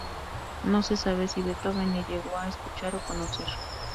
No se sabe si Beethoven la llegó a escuchar o conocer.